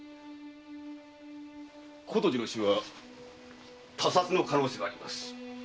琴路の死は他殺の可能性があります。